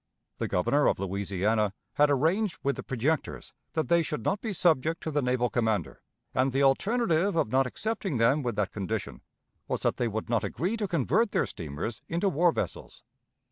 The Governor of Louisiana had arranged with the projectors that they should not be subject to the naval commander, and the alternative of not accepting them with that condition was that they would not agree to convert their steamers into war vessels.